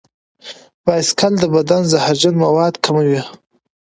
بایسکل د بدن زهرجن مواد کموي.